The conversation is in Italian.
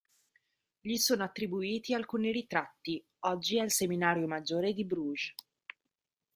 Gli sono attribuiti alcuni ritratti, oggi al Seminario maggiore di Bruges.